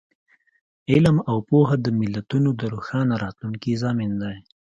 علم او پوهه د ملتونو د روښانه راتلونکي ضامن دی.